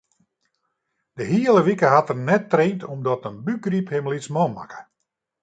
De hiele wike hat er net traind omdat in bûkgryp him lytsman makke.